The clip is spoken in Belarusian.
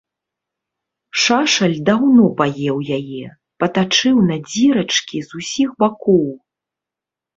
Шашаль даўно паеў яе, патачыў на дзірачкі з усіх бакоў.